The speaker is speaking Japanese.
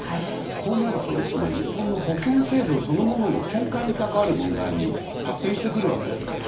こうなると、日本の保険制度そのものの根幹に関わる問題に発展してくるわけですから